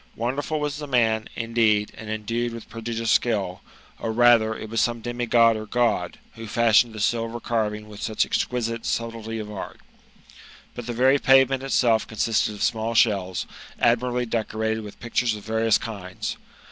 Wonderful was the man, in4eed» and endued with prodigious skill ; or, rather, it was some i^mi%od or God, who fashioned the silver carving with such exquisite subtility pf ^ art. But the very pavement itself ponsisted of small shells, adniir ably decorated with pictures of various kinds.